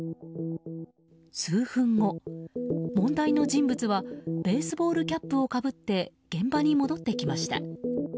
数分後、問題の人物はベースボールキャップをかぶって現場に戻ってきました。